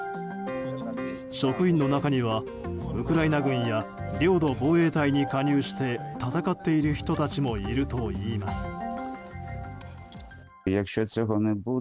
職員の中には、ウクライナ軍や領土防衛隊に加入して戦っている人たちもいるといいます。